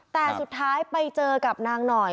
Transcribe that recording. แต่สุดท้ายไปเจอกับนางหน่อย